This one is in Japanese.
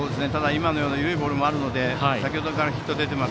今のような緩いボールもありますので先程からヒットが出ています